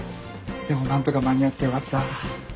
でも何とか間に合ってよかった。